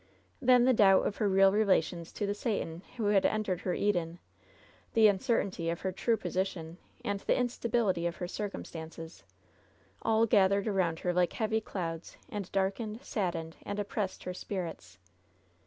Then the doubt of her real relations to the Satan who had entered her Eden, the uncertainty of her true posi LOVE'S BITTEREST CUP 11 tion, and the instability of her circumstances, all gath ered around her like heavy clouds and darkened, sad dened and oppressed her spirits.